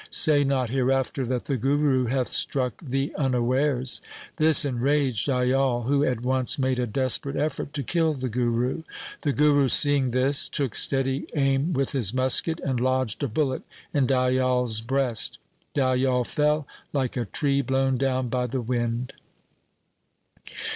Say not hereafter that the Guru hath struck thee unawares.' This enraged Dayal, who at once made a desperate effort to kill the Guru. The Guru, seeing this, took steady aim with his musket and lodged a bullet in Dayal' s breast. Dayal fell like a tree blown down by the wind.